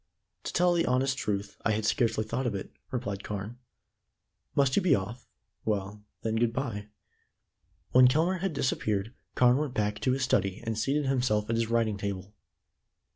"To tell the honest truth, I had scarcely thought of it," replied Carne. "Must you be off? Well, then, good bye." When Kelmare had disappeared, Carne went back to his study, and seated himself at his writing table.